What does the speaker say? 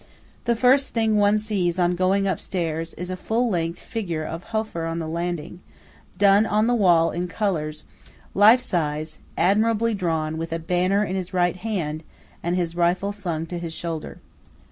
The first thing one sees on going upstairs is a full length figure of Hofer on the landing, done on the wall in colours, life size, admirably drawn, with a banner in his right hand, and his rifle slung to his shoulder.